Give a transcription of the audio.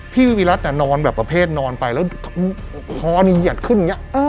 พี่วิรัตินอนแบบประเภทนอนไปแล้วคอนี่เหยียดขึ้นอย่างนี้